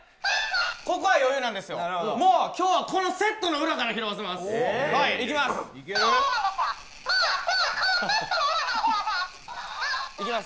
ここは余裕なんですけど今日はこのセットの裏から拾わせます。